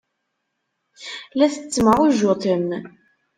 La tettemɛujjutem.